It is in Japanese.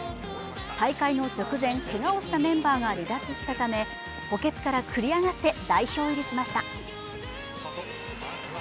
大会の直前、けがをしたメンバーが離脱したため補欠から繰り上がって代表入りしました。